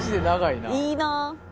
いいな。